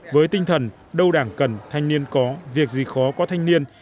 với tinh thần đâu đảng cần thanh niên có việc gì khó có thanh niên